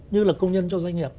như là công nhân cho doanh nghiệp